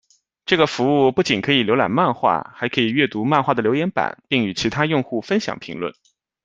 这个服务不仅可以浏览漫画，还可以阅读漫画的留言板，并与其他用户分享评论。